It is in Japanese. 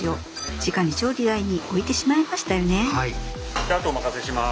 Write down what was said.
じゃああとお任せします。